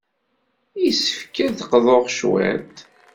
Yessefk ad d-qḍuɣ cwiṭ.